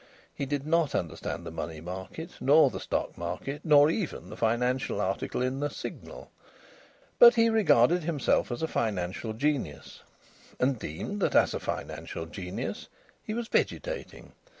He did not understand the money market, nor the stock market, nor even the financial article in the Signal; but he regarded himself as a financial genius, and deemed that as a financial genius he was vegetating.